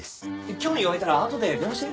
興味が湧いたら後で電話して。